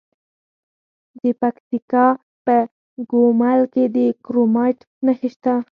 د پکتیکا په ګومل کې د کرومایټ نښې شته.